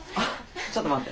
ちょっと待って。